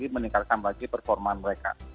meningkatkan lagi performa mereka